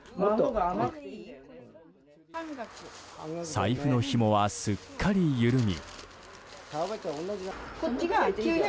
財布のひもはすっかり緩み。